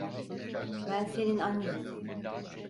Ben senin annenim.